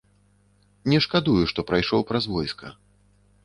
Не шкадую, што прайшоў праз войска.